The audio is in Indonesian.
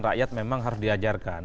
rakyat memang harus diajarkan